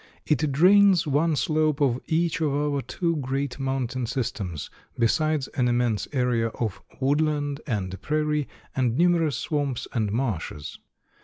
It drains one slope of each of our two great mountain systems, besides an immense area of wood land and prairie, and numerous swamps and marshes.